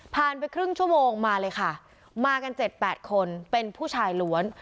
ผ่านไปครึ่งชั่วโมงมาเลยค่ะมากันเจ็ดแปดคนเป็นผู้ชายรวน